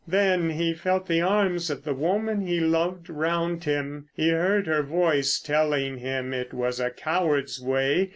Then he felt the arms of the woman he loved round him; he heard her voice telling him it was a coward's way.